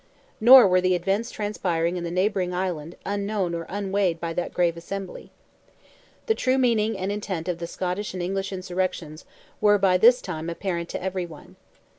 Nor were the events transpiring in the neighbouring island unknown or unweighed by that grave assembly. The true meaning and intent of the Scottish and English insurrections were by this time apparent to every one.